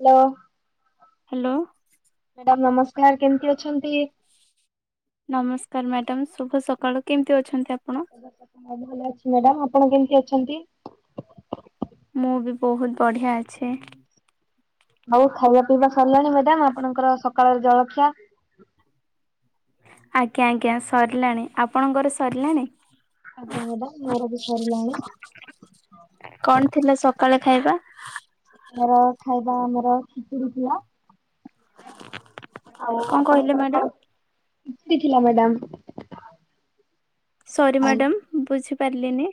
Hello. Hello. Madam ନମସ୍କାର କେମିତି ଅଛନ୍ତି? ନମସ୍କାର ମ୍ୟାଡାମ ଶୁଭ ସକାଳ କେମିତି ଅଛନ୍ତି ଆପଣ? ମୁଁ ଭଲ ଅଛି ମ୍ୟାଡାମ ଆପଣ କେମିତି ଅଛନ୍ତି? ମୁଁ ବି ବହୁତ ବଢିଆ ଅଛି। ଆଉ ଖାଇବା ପିଇବା ସରିଲାଣି ମ୍ୟାଡାମ ଆପଣଙ୍କର ସକାଳର ଜଳଖିଆ। ଆଜ୍ଞା ଆଜ୍ଞା ସରିଲାଣି ଆପଣଙ୍କର ସରିଲାଣି? ଆଜ୍ଞା ମ୍ୟାଡାମ ମୋର ବି ସରିଲାଣି। କଣ ଥିଲା ସକାଳେ ଖାଇବା? ଆମର ଖାଇବା ଆମର ଖିଚୁଡ଼ି ଥିଲା। [unintelligible] ଆଉ କଣ କହିଲେ ଆପଣଙ୍କର ମ୍ୟାଡାମ? କଣ? ଖିଚୁଡି ଥିଲା ମ୍ୟାଡାମ। ସରି ମ୍ୟାଡ଼ାମ ବୁଝିପାରିଲିନି।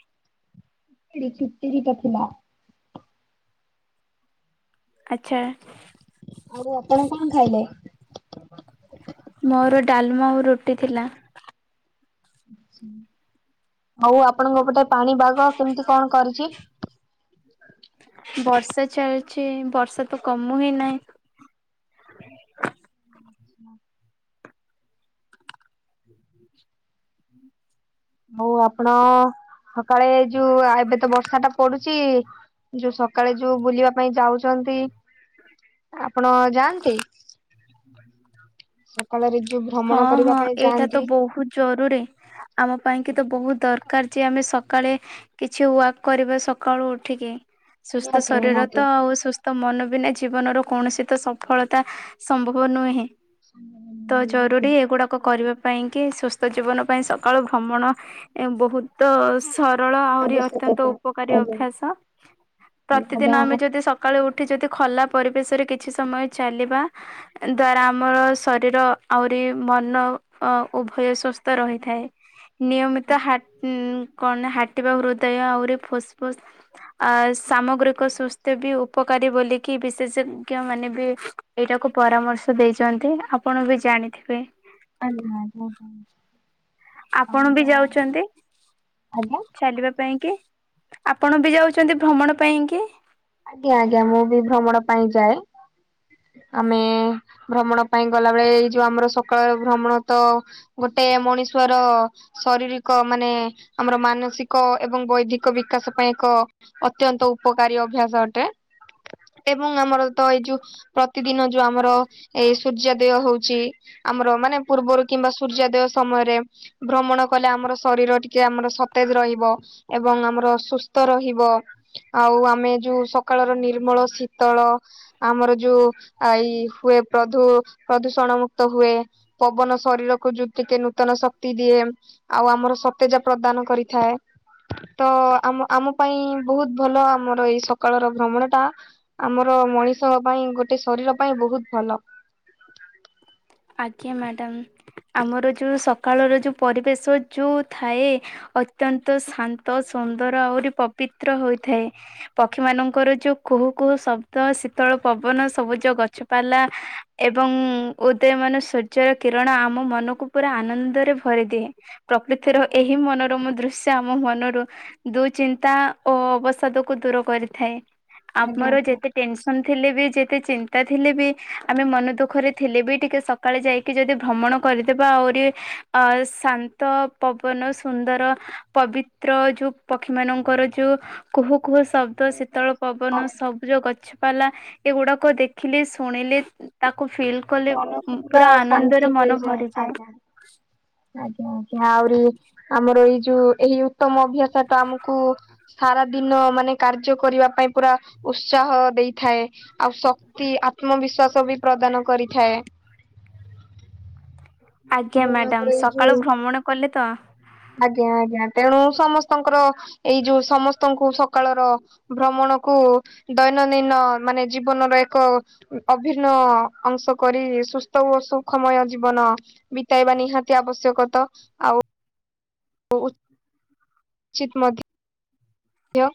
ଖିଚିଡି ଟା ଥିଲା। ଆଚ୍ଛା। ଆଉ ଆପଣ କଣ ଖାଇଲେ? ମୋର ଡାଲମା ଆଉ ରୁଟି ଥିଲା। ଆଉ ଆପଣଙ୍କ ପଟେ ପାଣି ପାଗ କେମିତି କଣ କରିଛି? ବର୍ଷା ଚାଲିଚି ବର୍ଷା ତ କମୁ ହିଁ ନାହିଁ। ହଁ। ହଉ ଆପଣ ସକାଳେ ଯୋଉ [unintelligible] ତ ବର୍ଷା ଟା ପଡୁଛି। ଯୋଉ ସକାଳେ ଯୋଉ ବୁଲିବା ପାଇଁ ଯାଉଛନ୍ତି [unintelligible] ଆପଣ ଯାଆନ୍ତି? ସକାଳରେ ଯୋଉ [inaudible] ହଁ ଭ୍ରମଣ କରିବା ହଁ ପାଇଁ ଏଇଟା ତ ଯାଆନ୍ତି ବହୁତ ଜରୁରୀ। ଆମ ପାଇଁ କେତେ ବହୁତ ଦରକାର ଯେ ଆମେ ସକାଳେ କିଛି ୱାକ୍ କରିବା ସକାଳୁ ଉଠିକି। ସୁସ୍ଥ ନିହାତି ଶରୀର ନିହାତି ତ ଆଉ ସୁସ୍ଥ ମନ ବିନା ଜୀବନର କୌଣସି ତ ସଫଳତା ସମ୍ଭବ ନୁହେଁ [unintelligible] ତ ଜରୁରୀ ଏଗୁଡାକ କରିବା ପାଇଁ କିି ସୁସ୍ଥ ଜୀବନ ପାଇଁ ସକାଳୁ ଭ୍ରମଣ ବହୁତ ସରଳ ଆହୁରି ଅତ୍ୟନ୍ତ ଆବଶ୍ୟକତା ଉପକାରୀ ଆଜ୍ଞା ଅଭ୍ୟାସ ପ୍ରତିଦିନ ଆଜ୍ଞା ଆମେ ଆମ ଯଦି ସ ସକାଳେ ଉଠି ଯଦି ଖୋଲା ପରିବେଶରେ କିଛି ସମୟ ଚାଲିବା ଦ୍ଵାରା ଆମର ଶରୀର ଆହୁରି ମନ ଉଭୟ ସୁସ୍ଥ ରହିଥାଏ। ନିୟମିତ ହା କଣ ହାଟିବା ହୃଦୟ ଆହୁରି ଫୁସ୍ ଫୁସ ଅ ସାମଗ୍ରୀିକ ସୁସ୍ଥ୍ୟ ବି ଉପକାରୀ ବୋଲିକି ବିଶେଷଜ୍ଞ ମାନେ ବି ଏଇଟାକୁ ପରାମର୍ଶ ଦେଇଛନ୍ତି ଆପଣ ବି ଜାଣିଥିବେ। ଆଜ୍ଞା ଆଜ୍ଞା। ଆଜ୍ଞା ଆଉ ଆପଣ ବି ଏଇଟା ଯାଉଛନ୍ତି ଆଜ୍ଞା ଚାଲିବା ପାଇଁ କି? ଆପଣ ବି ଯାଉଛନ୍ତି ଭ୍ରମଣ ପାଇଁ କି? ଆଜ୍ଞା ଆଜ୍ଞା ମୁଁ ବି ଭ୍ରମଣ ପାଇଁ ଯାଏ। ଆମେ ଭ୍ରମଣ ପାଇଁ ଗଲାବେଳେ ଏଇ ଯୋଉ ଆମର ସକାଳ ର ଭ୍ରମଣ ତ ଗୋଟେ ମଣିଷ୍ବର ଶରୀରିକ ମାନେ ଆମର ମାନସିକ ଏବଂ ବୈଧିକ ବିକାଶ ପାଇଁ କ ଅତ୍ୟନ୍ତ ଉପକାରୀ ଅଭ୍ୟାସ ଅଟେ ଏବଂ ଆମର ତ ଏଇ ଯୋଉ ପ୍ରତିଦିନ ଯୋଉ ଆମର ଏ ସୂର୍ଯ୍ୟଦେୟ ହଉଛି ଆମର ମାନେ ପୂର୍ବରୁ କିମ୍ବା ସୂର୍ଯ୍ୟାଦେୟ ସମୟରେ ଭ୍ରମଣ କଲେ ଆମର ଶରୀର ଟିକେ ଆମର ସତେଜ ରହିବ। ଏବଂ ଆମର ସୁସ୍ଥ ରହିବ ଆଉ ଆମେ ଯୋଉ ସକାଳର ନିର୍ମଳ ଶୀତଳ ଆମର ଯୋଉ ଆଇ ହୁଏ ପ୍ରଧୂ ପ୍ରଧୂଷଣ ମୁକ୍ତ ହୁଏ। ପବନ ଶରୀରକୁ ଯୋଉ ଟିକେ ନୂତନ ଶକ୍ତି ଦିଏ। ଆଉ ଆମର ସତେଜା ପ୍ରଦାନ କରିଥାଏ। ତ ଆମ ଆମ ପାଇଁ ବହୁତ ଭଲ ଆମର ଏଇ ସ କାଳର ଭ୍ରମଣ ଟା ଆମର ମଣିଷ ପାଇଁ ଗୋଟେ ଶରୀର ପାଇଁ ବହୁତ ଭଲ। ଆଜ୍ଞା ମାଡ଼ାମ୍ ଆମର ଯୋଉ ସକାଳର ଯୋଉ ପରିବେଶ ଯୋଉ ଥାଏ ଅତ୍ୟନ୍ତ ଶାନ୍ତ ସୁନ୍ଦର ଆହୁରି ପବିତ୍ର ହୋଇଥାଏ। ପକ୍ଷୀ ମାନଙ୍କର ଯୋଉ କୁହୁ କୁହୁ ଶବ୍ଦ ଶୀତଳ ପବନ ସବୁଜ ଗଛପାଲା ଏବଂ ଓ ଏତେ ମାନେ ସୂର୍ଯ୍ୟର କିରଣ ଆମ ମନକୁ ପୁରା ଆନନ୍ଦରେ ଭରିଦିଏ। ପ୍ରକୃତିର ଆଜ୍ଞା। ଏହି ମନୋରମ ଦୃଶ୍ ଆମ ମନରୁ ଦୁଚିନ୍ତା ଓ ଅବସାଦ କୁ ଦୂର କରିଥାଏ। ଆଜ୍ଞା ଆମର ଆଜ୍ଞା ଯେତେ ଟେନସନ୍ ଥିଲେ ବି ଯେତେ ଚିନ୍ତା ଥିଲେ ବି ଆମେ ମନ ଦୁଃଖରେ ଥିଲେ ବି ଟିକେ ସକାଳେ ଯାଇକି ଯଦି ଭ୍ରମଣ କରିଦେବା ଆହୁରି ଅ ଶାନ୍ତ ପବନ ସୁନ୍ଦର ପବିତ୍ର ଯୋଉ ପକ୍ଷୀ ମାନଙ୍କର ଯୋଉ କୁହୁ କୁହୁ ଶବ୍ଦ ଶୀତଳ ପବନ ସବ ବୁଜ ଗଛପାଲା ଏଗୁଡ଼ା କୁ ଦେଖିଲେ ଶୁଣିଲେ ତାକୁ ଫିଲ୍ କଲେ ଉଁ ପୁରା ଆନନ୍ଦରେ ମନ ଭରିଯାଏ। ଆଜ୍ଞା ଆଜ୍ଞା ଆହୁରି ଆମର ଏଇ ଯୋଉ ଏହି ଉତ୍ତମ ଅଭ୍ୟାସ ଟା ଆମୁକୁ ସାରା ଦିନ ମାନେ କାର୍ଯ୍ୟ କରିବା ପାଇଁ ପୁରା ଉତ୍ସାହ ଦେଇଥାଏ। ଆଉ ଶକ୍ତି ଆତ୍ମବିଶ୍ଵାସ ବି ପ୍ରଦାନ କରିଥାଏ। ଆଜ୍ଞା ମାଡ଼ାମ ସକାଳୁ ଭ୍ରମଣ କଲେ ତ? ଆଜ୍ଞା ଆଜ୍ଞା ତେଣୁ ସମସ୍ତଙ୍କର ଏଇ ଯୋଉ ସମସ୍ତଙ୍କୁ ସକାଳର ଭ୍ରମଣ କୁ ଦୈନନ୍ଦିନ ମାନେ ଜୀବନରେ ଏକ ଅଭିର୍ନ୍ନ ଅଂଶ କରି ସୁସ୍ଥ ଓ ସୁଖମୟ ଜୀବନ ବିତେଇବା ନିହାତି ଆବଶ୍ୟକ ତ ଆଉ ଓ ଉଚିତ୍ ମଧ୍ୟ। ଧିୟ।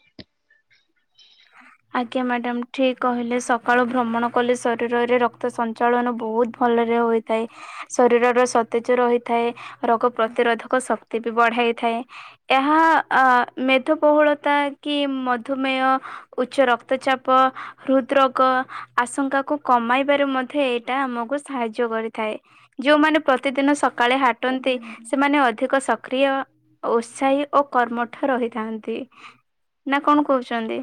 ଆଜ୍ଞା ମାଡ଼ାମ୍ ଠିକ୍ କହିଲେ ସକାଳୁ ଭ୍ରମଣ କଲେ ଶରୀରରେ ରକ୍ତ ସଂ ଚାଳନ ବହୁତ ଭଲରେ ହୋଇଥାଏ ଶରୀରର ସତେଜ ରହିଥାଏ। ରୋଗ ପ୍ରତିରୋଧକ ଶକ୍ତି ବି ବଢ଼ାଇ ଥାଏ। ଏହା ଅ ମେଧବହୁଳତା କି ମଧୁମେଅ ଉଚ୍ଚ ରକ୍ତଚାପ ହୃଦ ରୋଗ ଆଶଙ୍କା କୁ କମାଇବାରେ ମଧ୍ୟ ଏଇଟା ଆମକୁ ସାହାଯ୍ୟ କରିଥାଏ। ଯୋଉମାନେ ପ୍ରତିଦିନ ସକାଳେ ହାଟନ୍ତି ସେମାନେ ଅଧିକ ସକ୍ରିୟ ଉତ୍ସାହି ଓ କର୍ମଠ ରହିଥାନ୍ତି ନା କଣ କହୁଛନ୍ତି?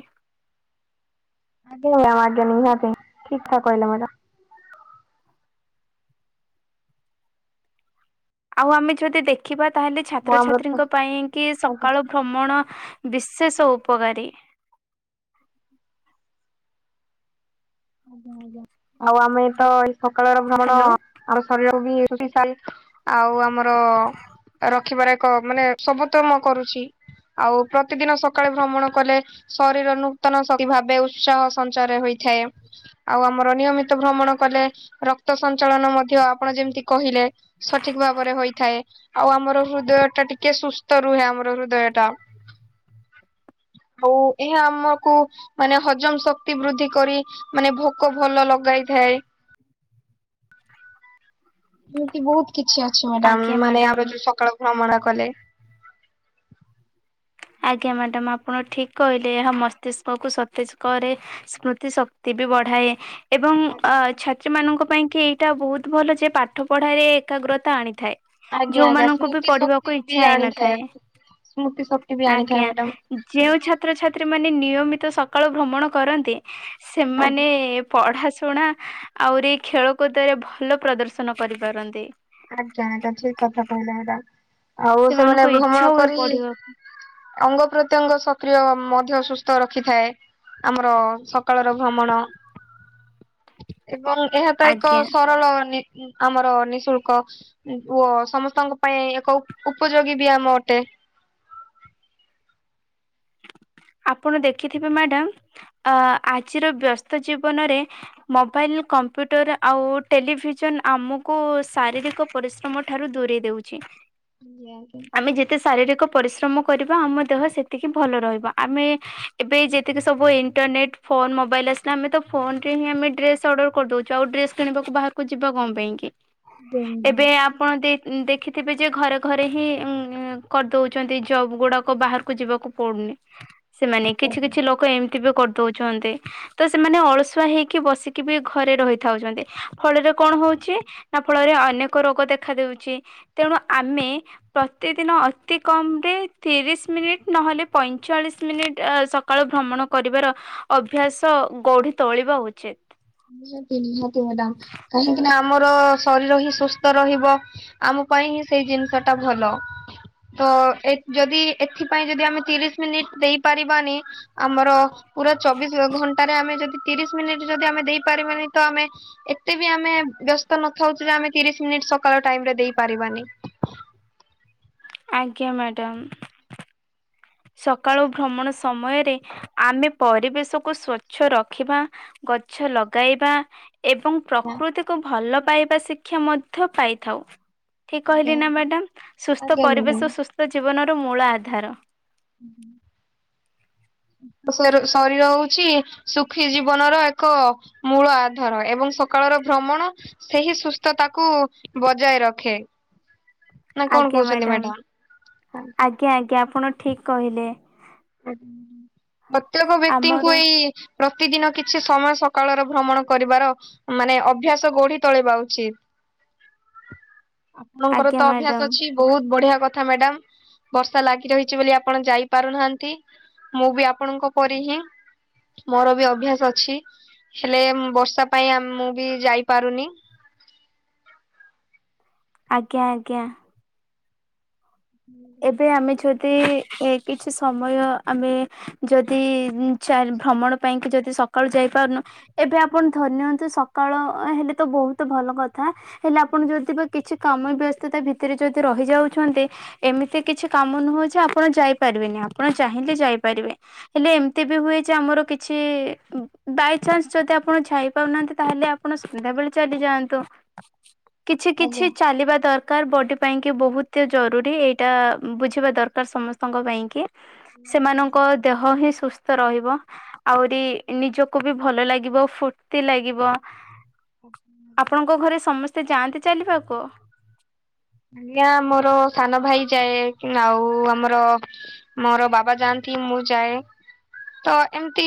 ଆଜ୍ଞା [inaudible] ନିହାତି ଠିକ୍ ତ କହିଲେ ମ୍ୟାଡ଼ାମ। ଆଉ ଆମେ ଯଦି ଦେଖିବା ତାହେଲେ ଆଉ ଆମର ଛାତ୍ରଛାତ୍ରୀଙ୍କ ପାଇଁ କି ଆଜ୍ଞା ସକାଳୁ ଭ୍ରମଣ ବିଶେଷ ଉପକାରୀ। ଆଜ୍ଞା ଆଜ୍ଞା ଆଉ ଆମେ ତ ଏଇ ସକାଳର ଭ୍ରମଣ ହ୍ୟାଲୋ ଆମ ଶରୀରକୁ ବି ସଲ୍ ଆଉ ଆମର ରଖିବାର ଏକ ମାନେ ସବୁ ତ ମୁଁ କରୁଚି। ଆଉ ପ୍ରତିଦିନ ସକାଳେ ଭ୍ରମଣ କଲେ ଶରୀର ନୂତନ ଶକ୍ତି ଭାବେ ଉତ୍ସାହ ସଞ୍ଚାର ହୋଇଥାଏ। ଆଉ ଆମର ନିୟମିତ ଭ୍ରମଣ କଲେ ରକ୍ତ ସଞ୍ଚାଳନ ମଧ୍ୟ ଆପଣ ଯେମିତି କହିଲେ ସଠିକ ଭାବରେ ହୋଇଥାଏ ଆଉ ଆମର ହୃଦୟ ଟା ଟିକେ ସୁସ୍ଥ ରୁହେ ଆମର ହୃଦୟ ଟା। ହୋଊ ଏହା ଆମକୁ ମାନେ ହଜମ ଶକ୍ତି ବୃଦ୍ଧି କରି ମାନେ ଭୋକ ଭଲ ଲଗାଇଥାଏ। ଏମିତି ବହୁତ କିଛି ଅଛି ମ୍ୟାଡାମ ଆଜ୍ଞା ମାନେ ମ୍ୟାଡ଼ାମ। ଆମର ଯୋଉ ସକାଳ ଭ୍ରମଣା କଲେ। ଆଜ୍ଞା ମ୍ୟାଡାମ ଆପଣ ଠିକ କହିଲେ ଏହା ମସ୍ତିଷ୍କକୁ ସତେଜ କରେ। ସ୍ମୃତି ଶକ୍ତି ବି ବଢାଏ। ଏବଂ ଛାତ୍ରୀମାନଙ୍କ ପାଇଁକି ଏଇଟା ବହୁତ ଭଲ ଯେ ପାଠ ପଢ଼ାରେ ଏକାଗ୍ରତା ଆଣିଥାଏ। ଆଜ୍ଞା ଆଜ୍ଞା ଯୋଉମାନଙ୍କୁ ବି ସ୍ମୃତି ପଢିବାକୁ ଇଛା ହେଇନଥାଏ। ସ୍ମୁତି ଶ ଆଜ୍ଞା ଯେଉଁ ଛା ତ୍ରଛାତ୍ରୀ ମାନେ ନିୟମିତ ସକାଳୁ ଭ୍ରମଣ କରନ୍ତି ଆଜ୍ଞା ସେମାନେ ପଢ଼ାଶୁଣା ଆହୁରି ଖେଳକୁଦରେ ଭଲ ପ୍ରଦର୍ଶନ କରିପାରନ୍ତି। ଆଜ୍ଞା ଆଜ୍ଞା ଠିକ କଥା କହିଲେ ଏଇଟା ଆଉ ସେମାନଙ୍କୁ ସେମାନେ ଇଚ୍ଛା ଭ୍ରମଣ ହୁଏ କରି ପଢିବାକୁ ଅଙ୍ଗ ପ୍ରତ୍ୟଙ୍ଗ ସକ୍ରିୟ ମଧ୍ୟ ସୁସ୍ଥ ରଖିଥାଏ। ଆମର ସକାଳର ଭ୍ରମଣ। ଏବଂ ଏହା ତ ଏକ ଆଜ୍ଞା ସରଳ ନି ଆମର ନିଃଶୁଳ୍କ। ଓ ସମସ୍ତଙ୍କ ପାଇଁ ଏକ ଉପ ଉପଯୋଗୀ ବି ଆମ ଅଟେ। ଆପଣ ଦେଖିଥିବେ ମ୍ୟାଡ଼ାମ ଅ ଆଜିର ବ୍ୟସ୍ତ ଜୀବନରେ ମୋବାଇଲ, କମ୍ପ୍ୟୁଟର ଆଉ ଟେଲିଭିଜନ ଆମକୁ ଶାରୀରିକ ପରିଶ୍ର ଶ୍ମ ଠାରୁ ଦୂରେଇ ଦଉଛି। ଯାଇକି ଆମେ ଯେତେ ଶାରୀରିକ ପରିଶ୍ରମ କରିବା ଆମ ଦେହ ସେତିକି ଭଲ ରହିବ ଆମେ ଏବେ ଯେତିକି ସବୁ ଇଣ୍ଟରନେଟ୍ ଫୋନ ମୋବାଇଲ ଆସିଲା ଆମେ ତ ଫୋନ ରେ ହିଁ ଆମେ ଡ୍ରେସ ଅର୍ଡର କରିଦଉଛୁ ଆଉ ଡ୍ରେସ୍ କିଣିବାକୁ ବାହାରକୁ ଯିବା କଣ ପାଇଁ କି ଏବେ ଆପଣ ଦେଇ ଦେଖିଥିବେ ଯେ ଘରେ ଘରେ ହିଁ କରିଦେଉଛନ୍ତି ଜବ୍ ଗୁଡ଼ାକ ବାହାରକୁ ଯିବାକୁ ପଡ଼ୁନି। ସେମାନେ କିଛି କିଛି ଲୋକ ଏମିତି ବି କରିଦଉଛନ୍ତି। ତ ସେମାନେ ଅଳସୁଆ ହେଇକି ବସିକି ବି ଘରେ ରହିଥାଉଛନ୍ତି ଫଳରେ କଣ ହଉଛି ତା ଫଳରେ ଅନେକ ରୋଗ ଦେଖା ଦେଉଛି। ତେଣୁ ଆମେ ପ୍ରତିଦିନ ଅତି କମ ରେ ତିରିଶ ମିନିଟ୍ ନହେଲେ ପଇଁ ଚାଳିଶ ମିନିଟ୍ ସକାଳୁ ଭ୍ରମଣ କରିବାର ଅଭ୍ୟାସ ଗଢି ତୋଳିବା ଉଚିତ। ନିହାତି ନିହାତି ମ୍ୟାଡ଼ାମ କାହିଁକି ନା ଆମର ଶରୀର ହିଁ ସୁସ୍ଥ ରହିବ। ଆମ ପାଇଁ ହିଁ ସେଇ ଜିନିଷ ଟା ଭଲ। ତ ଏ ଯଦି ଏଥିପାଇଁ ଯଦି ଆମେ ତିରିଶ ମିନିଟ୍ ଦେଇପାରିବାନି ଆମର ପୁରା ଚବିଶ ଘଣ୍ଟାରେ ଆମେ ଯଦି ତିରିଶ ମିନିଟ ଯଦି ଆମେ ଦେଇପାରିବାନି ତ ଆମେ ଏତେ ବି ଆମେ ବ୍ୟସ୍ତ ନଥାଉଛୁ ଯେ ଆମେ ତିରିଶ ମିନିଟ ସକାଳ ଟାଇମ ରେ ଦେଇ ପାରିବାନି। ଆଜ୍ଞା ମ୍ୟାଡ଼ାମ୍। ସକାଳୁ ଭ୍ରମଣ ସମୟରେ ଆମେ ପରିବେଶକୁ ସ୍ଵଚ୍ଛ ରଖିବା ଗଛ ଲଗାଇବା ଏବଂ ପ୍ରକୃତିକୁ ଭଲ ପାଇବା ଶିକ୍ଷା ମଧ୍ୟ ପାଇଥାଉ। ଠିକ କହିଲି ନା ମ୍ୟାଡ଼ାମ ସୁସ୍ଥ ପରିବେଶ ସୁସ୍ଥ ଜୀବନର ମୂଳ ଆଧାର। ଶର ଶରୀର ହଉଚି ସୁଖୀ ଜୀବନର ଏକ ମୂଳ ଆଧାର ଏବଂ ସକାଳର ଭ୍ରମଣ ସେହି ସୁସ୍ଥତାକୁ ବଜାୟ ରଖେ। ନା କଣ ଆଜ୍ଞା କହୁଛନ୍ତି ମ୍ୟାଡାମ ମ୍ୟାଡ଼ାମ ଆଜ୍ଞା ଆଜ୍ଞା ଆପଣ ଠିକ କହିଲେ। ପ୍ରତ୍ୟେକ ବ୍ୟକ୍ତିଙ୍କୁ ଆମର ଏଇ ପ୍ରତିଦିନ କିଛି ସମୟ ସକାଳର ଭ୍ରମଣ କରିବାର ମାନେ ଅଭ୍ୟାସ ଗଢ଼ି ତୋଳିବା ଉଚିତ୍। ଆପଣଙ୍କର ଆଜ୍ଞା ତ ଅଭ୍ୟାସ ମ୍ୟାଡ଼ାମ ଅଛି। ବୋହୁତ ବଢ଼ିଆ କଥା ମ୍ୟାଡାମ ବର୍ଷା ଲାଗି ରହିଛି ବୋଲି ଆପଣ ଯାଇପାରୁନାହା ତି ମୁଁ ବି ଆପଣଙ୍କ ପରି ହିଁ। ମୋର ବି ଅଭ୍ୟାସ ଅଛି ହେଲେ ବର୍ଷା ପାଇଁ ଆ ମୁଁ ବି ଯାଇପାରୁନି। ଆଜ୍ଞା ଆଜ୍ଞା। ଏବେ ଆମେ ଛୁ ତି ଏ କିଛି ସମୟ ଆମେ ଯଦି ଚା ଭ୍ରମଣ ପାଇଁକି ଯଦି ସ ସକାଳୁ ଯାଇପାରୁନୁ ଏବେ ଆପଣ ଧରି ନିଅନ୍ତୁ ସକାଳ ହେଲେ ତ ବୋହୁତ ଭଲ କଥା। ହେଲେ ଆପଣ ଯଦି ବା କିଛି କାମ ବ୍ୟସ୍ତତା ଭିତରେ ଯଦି ରହିଯାଉଛନ୍ତି। ଏମିତି କିଛି କାମ ନୁହଁ ଯେ ଆପଣ ଯାଇପାରିବେନି ଆପଣ ଚାହିଁଲେ ଯାଇପାରିବେ ହେଲେ ଏମ୍ ବି ହୁଏଯେ ଆମର କି ଛି ବାଇଚାନ୍ସ ଯଦି ଆପଣ ଝାଇପାରୁନାହାନ୍ତି ତାହେଲେ ଆପଣ ସନ୍ଧ୍ୟାବେଳେ ଚାଲି ଯାଆନ୍ତୁ। କିଛି କିଛି ଚାଲିବା ଦରକାର ବଡ଼ି ପାଇଁ କି ବୋହୁତ ଜରୁରୀ ଏଇ ଟା ବୁଝିବା ଦରକାର ସମସ୍ତଙ୍କ ପାଇଁ କି। ସେମାନଙ୍କ ଦେହ ହିଁ ସୁସ୍ଥ ରହିବ। ଆହୁରି ନିଜକୁ ବି ଭଲ ଲାଗିବ ଫୁର୍ତି ଲାଗିବ। ଆପଣଙ୍କ ଘରେ ସମସ୍ତେ ଯାଆନ୍ତି ଚାଲିବାକୁ? ଆଜ୍ଞା ମୋର ସାନ ଭାଇ ଯାଏ ଆଉ ଆମର ମୋର ବାବା ଯାଆନ୍ତି ମୁଁ ଯାଏ। ତ ଏମିତି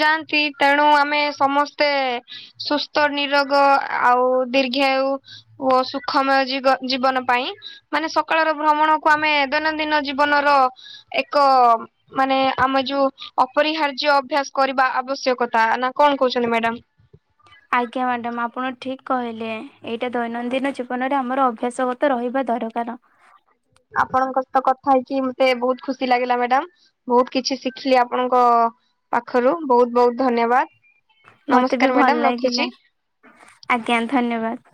ଯାଆନ୍ତି ତେଣୁ ଆମେ ସମସ୍ତେ ସୁସ୍ଥ ନିରୋଗ ଆଉ ଦୀର୍ଘାୟୁ ଓ ସୁଖମୟ ଜିଗ ଜୀବନ ପାଇଁ ମାନେ ସକାଳର ଭ୍ରମଣକୁ ଆମେ ଦୈନନ୍ଦିନ ଜୀବନର ଏକ ମାନେ ଆମେ ଯୋଉ ଅପରିହାର୍ଯ୍ୟ ଅଭ୍ୟାସ କରିବା ଆବଶ୍ୟକତା, ନା କଣ କହୁଛନ୍ତି ମ୍ୟାଡ଼ାମ? ଆଜ୍ଞା ମ୍ୟାଡ଼ାମ ଆପଣ ଠିକ କହିଲେ ଏଇଟା ଦୈନନ୍ଦିନ ଜି ବନରେ ଆମର ଅଭ୍ୟାସଗତ ରହିବା ଦରକାର। ଆପଣଙ୍କ ସତ କଥା ହେଇକି ମତେ ବୋହୁତ ଖୁସି ଲାଗିଲା ମ୍ୟାଡ଼ାମ। ବୋହୁତ କିଛି ଶିଖିଲି ଆପଣଙ୍କ ପାଖରୁ ବୋହୁତ ବୋହୁତ ଧନ୍ୟବାଦ। ମତେ ବି ନମସ୍କାର ମ୍ୟାଡାମ ଭଲ ରଖୁଛି। ଲାଗିଲା ଆଜ୍ଞା ଧନ୍ୟବାଦ।